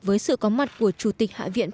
với sự có mặt của chủ tịch hạ viện